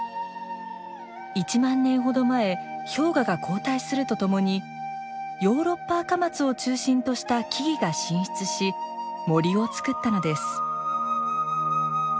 １万年ほど前氷河が後退するとともにヨーロッパアカマツを中心とした木々が進出し森をつくったのです。